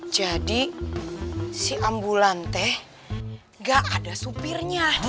jadi si ambulan teh gak ada supirnya